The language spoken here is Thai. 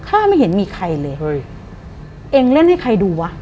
ข้าไม่เห็นมีใครเลย